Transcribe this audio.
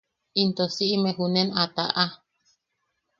Into siʼime junen a taʼa.